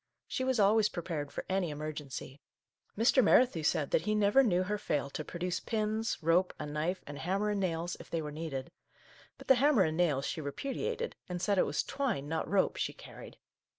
She was always pre pared for any emergency. Mr. Merrithew said that he never knew her fail to produce pins, rope, a knife, and hammer and nails, if they were needed. But the hammer and nails she repudiated, and said it was twine, not rope, she carried